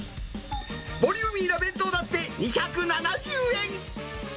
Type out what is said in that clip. ボリューミーな弁当だって２７０円。